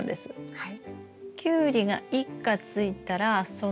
はい。